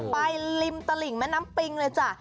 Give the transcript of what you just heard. ริมตลิ่งแม่น้ำปิงเลยจ้ะ